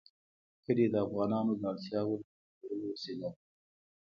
کلي د افغانانو د اړتیاوو د پوره کولو وسیله ده.